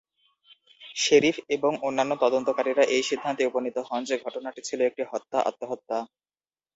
Sheriff এবং অন্যান্য তদন্তকারীরা এই সিদ্ধান্তে উপনীত হন যে, ঘটনাটি ছিল একটি হত্যা-আত্মহত্যা।